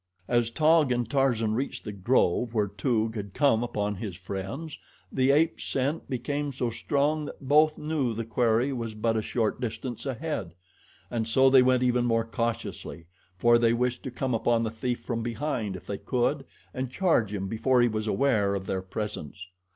As Taug and Tarzan reached the grove where Toog had come upon his friends, the ape scent became so strong that both knew the quarry was but a short distance ahead. And so they went even more cautiously, for they wished to come upon the thief from behind if they could and charge him before he was aware of their presence.